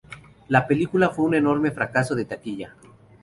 La película fue un enorme fracaso de taquilla.